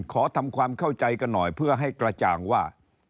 ขอทำความเข้าใจกันหน่อยเพื่อให้กระจ่างว่า